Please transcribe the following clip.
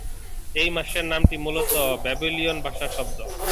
এই মাসের নামটি মূলত ব্যাবিলনীয় ভাষার শব্দ।